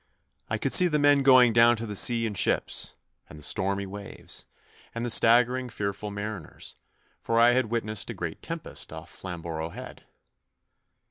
I could see the men going down to the sea in ships, and the stormy waves, and the staggering, fearful mariners, for I had witnessed a great tempest off Flamborough Head.